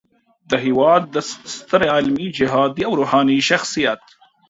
د هیواد ستر علمي، جهادي او روحاني شخصیت